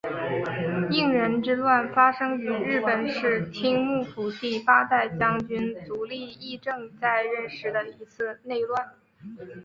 应仁之乱发生于日本室町幕府第八代将军足利义政在任时的一次内乱。